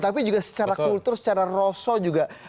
tapi juga secara kultur secara rosa juga